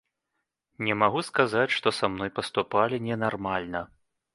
Не магу сказаць, што са мной паступалі ненармальна.